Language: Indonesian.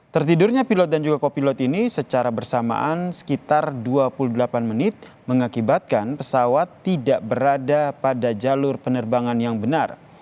tertidurnya pilot dan juga kopilot ini secara bersamaan sekitar dua puluh delapan menit mengakibatkan pesawat tidak berada pada jalur penerbangan yang benar